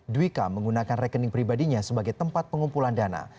dwika menggunakan rekening pribadinya sebagai tempat pengumpulan dana